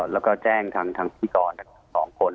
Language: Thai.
แล้วก็แจ้งทางพิธีกรทั้งสองคน